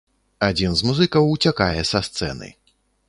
Адзін з музыкаў уцякае са сцэны.